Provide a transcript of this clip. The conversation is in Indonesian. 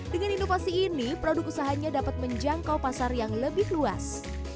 dengan inovasi ini produk usahanya dapat menjangkau pasar yang lebih luas